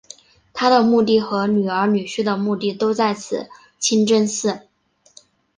她的墓地和女儿女婿的墓地都在此清真寺。